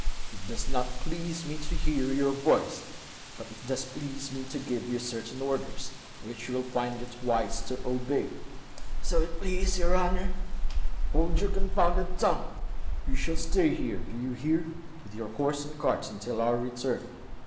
"It does not please me to hear your voice, but it does please me to give you certain orders, which you will find it wise to obey." "So it please your Honour ..." "Hold your confounded tongue. You shall stay here, do you hear? with your horse and cart until our return.